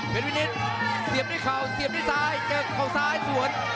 เป็นวินิตเสียบด้วยเข่าเสียบด้วยซ้ายเจอเขาซ้ายสวน